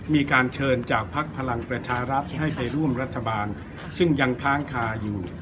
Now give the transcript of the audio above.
มีการเชิญจากภักดิ์พลังประชารัฐให้ไปร่วมรัฐบาลซึ่งยังค้างคาอยู่